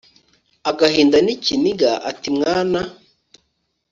agahinda nikiniga ati mwana